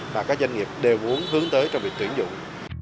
và các doanh nghiệp đều muốn hướng tới trong việc tuyển dụng